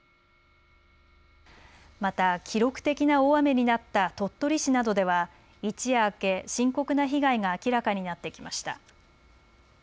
また記録的な大雨になった鳥取市などでは一夜明け、深刻な被害が明らかになってきました。